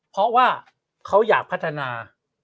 เพราะว่าเขาอยากพัฒนา